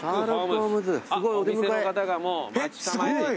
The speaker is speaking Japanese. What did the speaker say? あっお店の方がもう待ち構えていただいて。